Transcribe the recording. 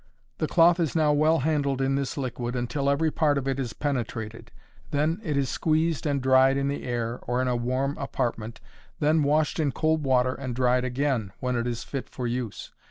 The cloth is now well handled in this liquid, until every part of it is penetrated; then it is squeezed and dried in the air, or in a warm apartment, then washed in cold water and dried again, when it is fit for use.